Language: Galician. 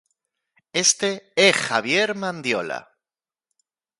Este é Javier Mandiola.